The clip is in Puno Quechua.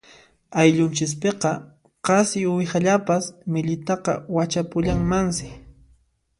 Ayllunchispiqa qasi uwihallapas millitaqa wachapullanmansi.